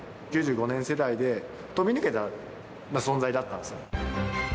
９５年世代で飛び抜けていた存在だったんですよ。